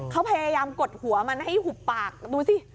เขาพยายามกดหัวมันให้หุบปากดูสิ